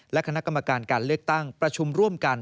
และคณะกรรมการการเลือกตั้งประชุมร่วมกัน